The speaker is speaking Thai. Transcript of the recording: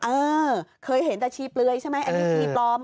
เออเคยเห็นแต่ชีเปลือยใช่ไหมอันนี้ชีปลอม